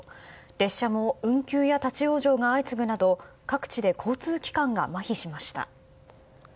列車も運休や立ち往生が相次ぐなど各地で交通機関がまひしました。